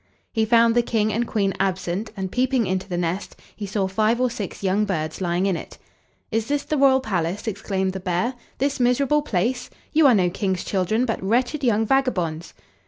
He found the King and Queen absent, and, peeping into the nest, he saw five or six young birds lying in it. "Is this the royal palace?" exclaimed the bear; "this miserable place! You are no King's children, but wretched young vagabonds."